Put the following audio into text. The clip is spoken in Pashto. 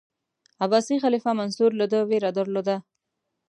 عباسي خلیفه منصور له ده ویره درلوده.